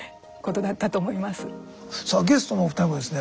さあゲストのお二人もですね